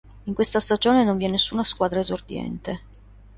In questa stagione non vi è nessuna squadra esordiente.